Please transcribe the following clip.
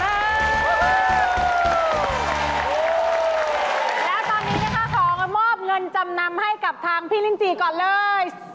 แล้วตอนนี้นะคะขอมอบเงินจำนำให้กับทางพี่ลินจีก่อนเลย